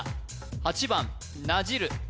８番なじる